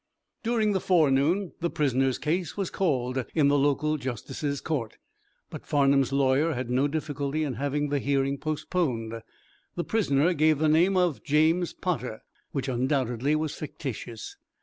During the forenoon the prisoner's case was called in the local justice's court, but Farnum's lawyer had no difficulty in having the hearing postponed. The prisoner gave the name of James Potter, which undoubtedly was fictitious.